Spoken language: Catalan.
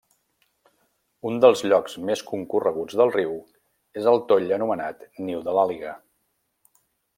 Un dels llocs més concorreguts del riu és el toll anomenat Niu de l'Àliga.